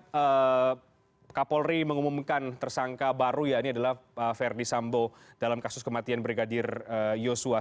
kita lihat pak polri mengumumkan tersangka baru ya ini adalah verdi sambo dalam kasus kematian brigadir yusuf